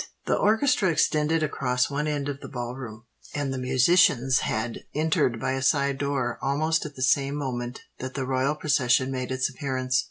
The orchestra extended across one end of the Ball Room; and the musicians had entered by a side door almost at the same moment that the royal procession made its appearance.